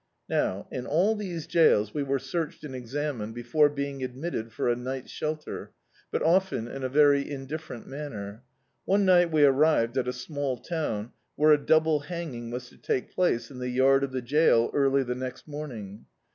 Now, in all these jails we were searched and examined before being admitted for a night's shel ter, but often in a very indifferent manner. One ni^t we arrived at a small town where a double hanging was to take place in the yard of the jail early the next morning.